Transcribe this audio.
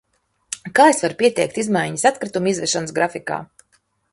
Kā es varu pieteikt izmaiņas atkritumu izvešanas grafikā?